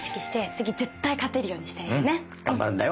頑張るんだよ！